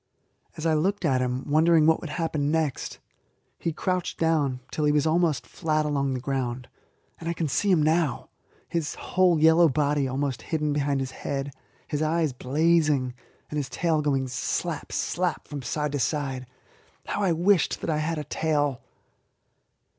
As I looked at him, wondering what would happen next, he crouched down till he was almost flat along the ground, and I can see him now, his whole yellow body almost hidden behind his head, his eyes blazing, and his tail going slap, slap! from side to side. How I wished that I had a tail!